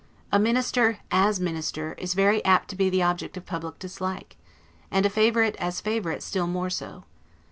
A minister, as minister, is very apt to be the object of public dislike; and a favorite, as favorite, still more so.